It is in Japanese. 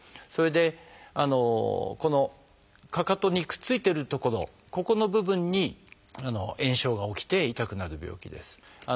それでこのかかとにくっついてる所ここの部分に炎症が起きて痛くなる病気です。